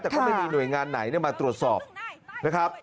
แต่ก็ไม่มีหน่วยงานไหนมาตรวจสอบนะครับ